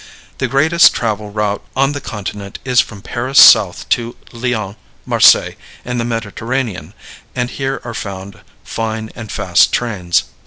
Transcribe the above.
The greatest travel route on the Continent is from Paris south to Lyons, Marseilles, and the Mediterranean, and here are found fine and fast trains.